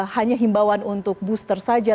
hanya himbawan untuk booster saja